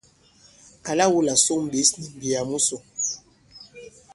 Àla wu là sôŋ ɓěs nì m̀mbiyà musò.